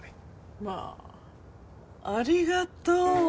まあありがとう。